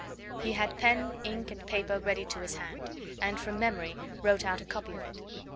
He had pen, ink and paper ready to his hand, and from memory wrote out a copy of it.